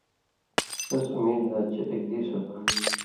ݜَس اُمید لا چےۡ اِک دِیس اوک